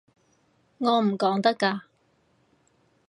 我唔講得㗎